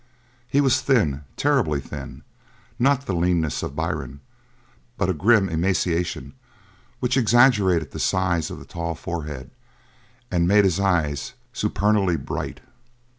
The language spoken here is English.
He was thin, terribly thin not the leanness of Byrne, but a grim emaciation which exaggerated the size of a tall forehead and made his eyes supernally bright.